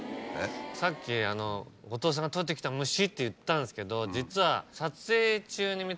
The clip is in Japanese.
さっきあの後藤さんがとってきた虫って言ったんですけど実は。